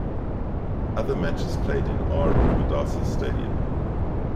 Other matches played in R. Premadasa Stadium.